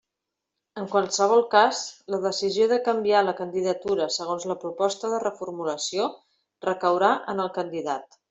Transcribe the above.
En qualsevol cas la decisió de canviar la candidatura segons la proposta de reformulació recaurà en el candidat.